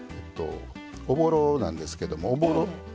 おぼろなんですけどもおぼろ。